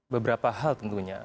beberapa hal tentunya